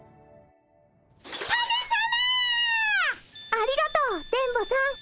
ありがとう電ボさん。